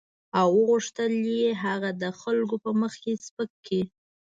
او وغوښتل یې چې هغه د خلکو په مخ کې سپک کړي.